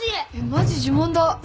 マジ呪文だ。